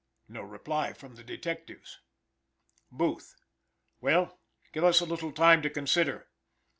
No reply from the detectives. Booth "Well, give us a little time to consider."